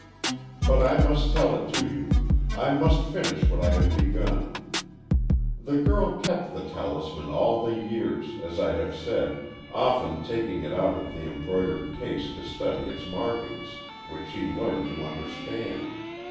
"But I must tell it to you. I must finish what I have begun. The girl kept the talisman all the years, as I have said, often taking it out of the embroidered case to study its markings, which she learned to understand.